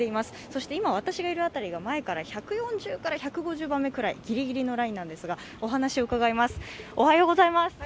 そして今、私がいる辺りが前から１４０１５０人くらい、ぎりぎりのラインなんですがお話を伺います。